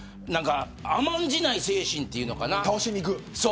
甘んじない精神というのかな。